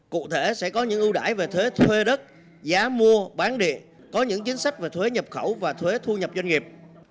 cụ thể sẽ có những ưu đải về thuế thuê đất giá mua bán địa có những chính sách về thuế nhập khẩu và thuế thu nhập doanh nghiệp